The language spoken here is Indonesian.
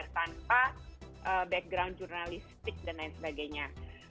tanpa background jurnalistik dan lain sebagainya